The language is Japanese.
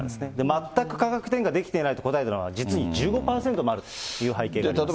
全く価格転嫁できていないと答えたのが、実に１５％もあるという背景があります。